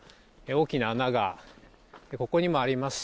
大きな穴がここにもあります